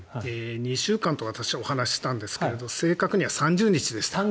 ２週間と私、お話ししたんですが正確には３０日でした。